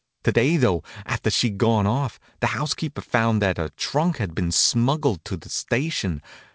To day, though, after she'd gone off, the housekeeper found that her trunk had been smuggled to the station.